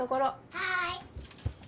はい！